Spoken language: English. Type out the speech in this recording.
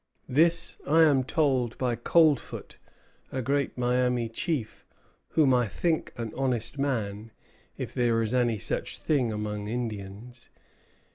This I am told by Coldfoot, a great Miami chief, whom I think an honest man, if there is any such thing among Indians....